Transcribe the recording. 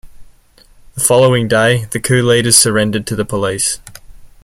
The following day the coup leaders surrendered to the police.